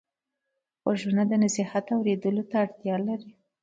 غوږونه د نصیحت اورېدلو ته اړتیا لري